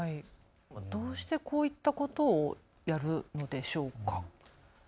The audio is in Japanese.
どうしてこういったことをやるのでしょうか。